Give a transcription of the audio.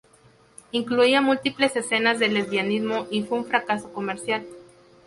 Incluía múltiples escenas de lesbianismo y fue un fracaso comercial.